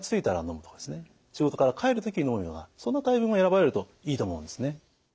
仕事から帰る時にのむようなそんなタイミングを選ばれるといいと思うんですね。